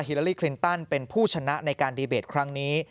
ลาลีคลินตันเป็นผู้ชนะในการดีเบตครั้งนี้